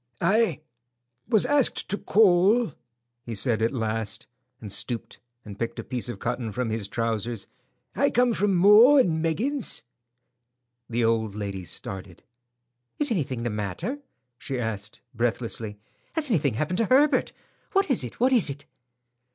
"I—was asked to call," he said at last, and stooped and picked a piece of cotton from his trousers. "I come from 'Maw and Meggins.'" The old lady started. "Is anything the matter?" she asked, breathlessly. "Has anything happened to Herbert? What is it? What is it?"